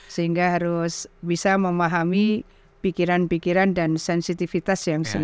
sehingga harus bisa memahami pikiran pikiran dan sensitivitas yang sulit